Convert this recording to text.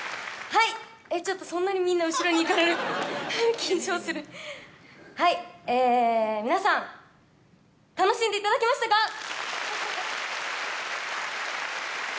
はいちょっとそんなにみんな後ろに行かれると緊張するはいえ皆さん楽しんでいただけましたか？